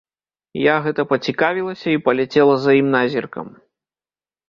Я гэта пацікавілася і паляцела за ім назіркам.